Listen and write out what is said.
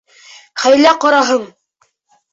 Хәйлә ҡораһың!